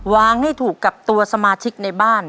ให้ถูกกับตัวสมาชิกในบ้าน